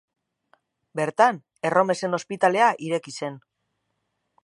Bertan erromesen ospitalea ireki zen.